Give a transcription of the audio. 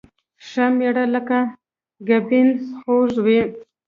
ښه مېړه لکه ګبين خوږ وي